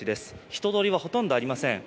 人通りはほとんどありません。